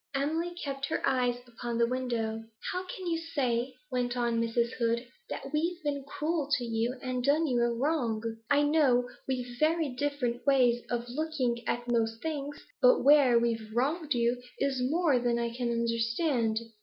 Emily kept her eyes upon the window. 'How you can say,' went on Mrs. Hood, 'that we've been cruel to you and done you a wrong I know we've very different ways of looking at most things, but where we've wronged you is more than I can understand.'